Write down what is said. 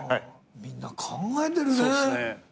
みんな考えてるね。